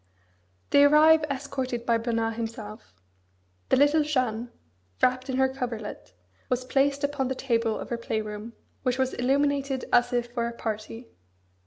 They arrive escorted by Bernard himself. The little Jeanne, wrapped in her coverlet, was placed upon the table of her play room, which was illuminated as if for a party.